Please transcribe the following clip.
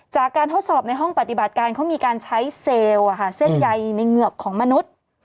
จากการทดสอบในห้องปฏิบัติการเขามีการใช้เซลล์เส้นใยในเหงือกของมนุษย์